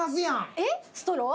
えっストロー？